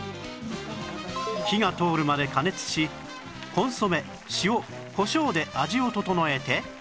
火が通るまで加熱しコンソメ塩こしょうで味を調えて